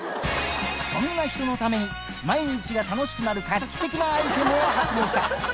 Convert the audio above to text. そんな人のために、毎日が楽しくなる画期的なアイテムを発明した。